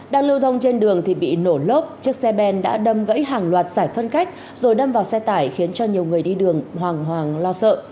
đang lưu thông trên đường thì bị nổ lốp chiếc xe ben đã đâm gãy hàng loạt giải phân cách rồi đâm vào xe tải khiến cho nhiều người đi đường hoàng hoàng lo sợ